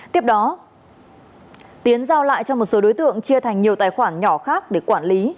tiếp đó tiến giao lại cho một số đối tượng chia thành nhiều tài khoản nhỏ khác để quản lý